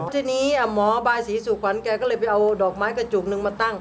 ทีนี้หมอบายศรีสุขวัญแกก็เลยไปเอาดอกไม้กระจุกนึงมาตั้ง